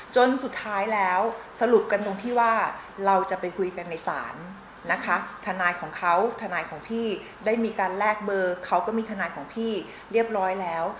จนสุดท้ายแล้วสรุปกันตรงที่ว่าเราจะไปคุยกันในศาลนะคะทนายของเขาทนายของพี่ได้มีการแลกเบอร์เขาก็มีทนายของพี่เรียบร้อยแล้ว